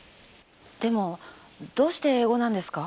でもどうして英語なんですか？